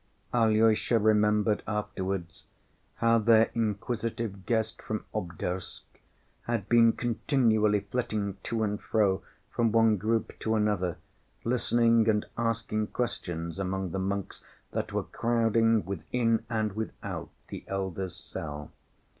Alyosha remembered afterwards how their inquisitive guest from Obdorsk had been continually flitting to and fro from one group to another, listening and asking questions among the monks that were crowding within and without the elder's cell.